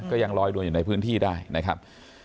ยังลอยนวลอยู่ในพื้นที่ได้นะครับ